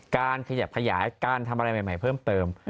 ขยับขยายการทำอะไรใหม่เพิ่มเติม